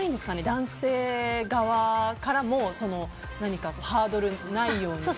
男性側からも何かハードルがないように。